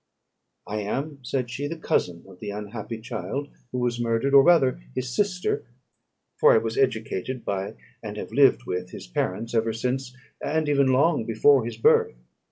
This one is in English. "I am," said she, "the cousin of the unhappy child who was murdered, or rather his sister, for I was educated by, and have lived with his parents ever since and even long before, his birth.